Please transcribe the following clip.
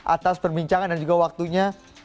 atas perbincangan dan juga waktunya